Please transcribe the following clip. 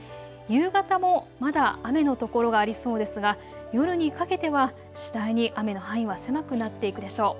夕方もまだ雨の所がありそうですが夜にかけては次第に雨の範囲は狭くなっていくでしょう。